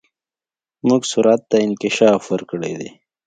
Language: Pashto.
موږ سرعت ته انکشاف ورکړی دی.